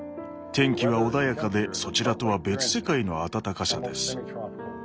天気は穏やかでそちらとは別世界の暖かさです。